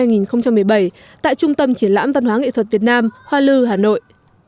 tại trung tâm triển lãm văn hóa nghệ thuật việt nam hoa lư hà nội